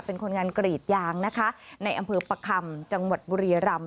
เป็นคนงานกรีดยางนะคะในอำเภอประคำจังหวัดบุรียรำ